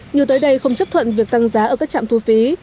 như tới đây không chấp thuận việc tăng giá ở các trạm thu phí